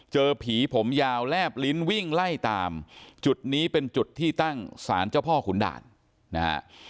เจอผีผมยาวแลบลิ้นวิ่งไล่ตามจุดนี้เป็นจุดที่ตั้งสารเจ้าพ่อขุนด่านนะฮะ